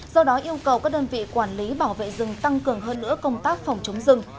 do đó yêu cầu các đơn vị quản lý bảo vệ rừng tăng cường hơn nữa công tác phòng chống rừng